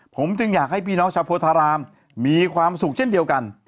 ผมจึงอยากให้พี่น้องชาวโพธารามมีความสุขเช่นเดียวกัน